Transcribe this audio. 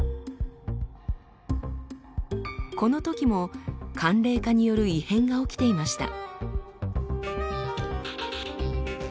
このときも寒冷化による異変が起きていました。